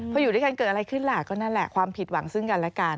พออยู่ด้วยกันเกิดอะไรขึ้นล่ะก็นั่นแหละความผิดหวังซึ่งกันและกัน